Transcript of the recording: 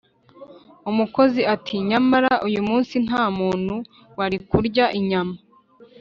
umukozi, ati "nyamara uyu munsi nta muntu wari kurya inyama